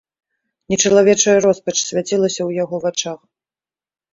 Нечалавечая роспач свяцілася ў яго вачах.